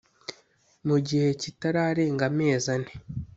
Mu gihe kitararenga amezi ane